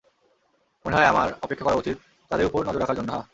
মনে হয় আমার অপেক্ষা করা উচিত তাদের উপর নজর রাখার জন্য, হাহ?